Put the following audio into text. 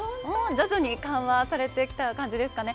徐々に緩和されてきた感じですかね。